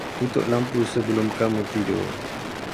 Tutup lampu sebelum kamu tidur.